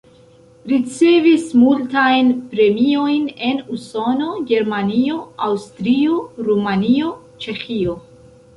Ricevis multajn premiojn en Usono, Germanio, Aŭstrio, Rumanio, Ĉeĥio.